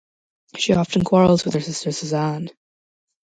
She often quarrels with her sister Suzanne.